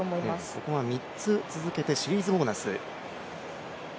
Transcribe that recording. ここは３つ続けてシリーズボーナス。